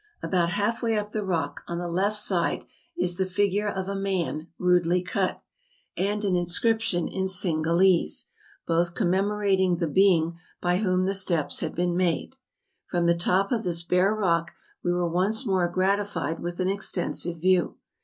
About half way 240 MOUNTAIN ADVENTUKES. up the rock, on the left hand side, is the figure of a man rudely cut, and an inscription in Singalese, both commemorating the being by whom the steps had been made. From the top of this bare rock we were once more gratified with an extensive view.